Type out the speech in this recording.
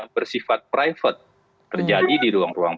bersifat private terjadi di ruang ruang